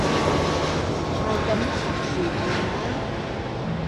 Malkama’aq suu tina?